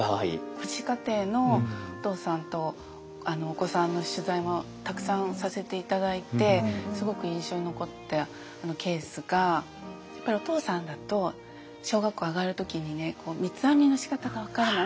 父子家庭のお父さんとお子さんの取材もたくさんさせて頂いてすごく印象に残ったケースがやっぱりお父さんだと小学校上がる時にね三つ編みのしかたが分からない。